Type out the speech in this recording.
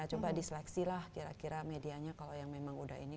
coba diseleksi lah kira kira medianya kalau yang memang udah ini